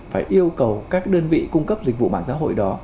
phải yêu cầu các đơn vị cung cấp dịch vụ mạng xã hội đó